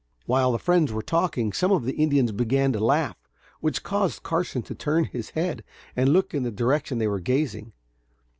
While the friends were talking, some of the Indians began to laugh, which caused Carson to turn his head and look in the direction they were gazing.